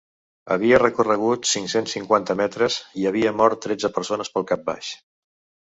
Havia recorregut cinc-cents cinquanta metres i havia mort tretze persones pel cap baix.